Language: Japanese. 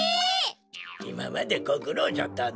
いままでごくろうじゃったのぉ。